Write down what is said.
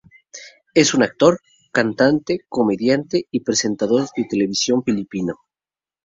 Es un actor, cantante, comediante y presentador de televisión filipino.